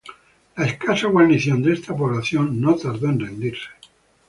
La escasa guarnición de esta población no tardó en rendirse.